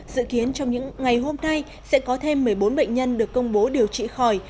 dự kiến trong những ngày hôm nay sẽ có thêm một mươi bốn bệnh nhân được công bố điều trị khỏi